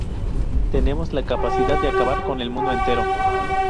Tenemos la capacidad de acabar con el mundo entero.